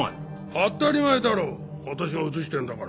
当たり前だろう私が写してるんだから。